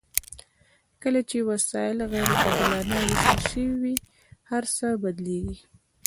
کله چې وسایل غیر عادلانه ویشل شوي وي هرڅه بدلیږي.